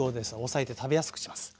抑えて食べやすくします。